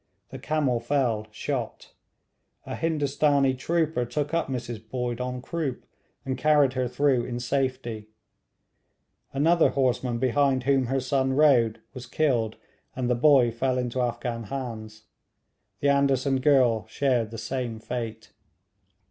The camel fell, shot. A Hindustanee trooper took up Mrs Boyd en croupe, and carried her through in safety; another horseman behind whom her son rode, was killed, and the boy fell into Afghan hands. The Anderson girl shared the same fate.